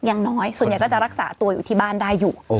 ยังน้อยส่วนใหญ่ก็จะรักษาตัวอยู่ที่บ้านได้อยู่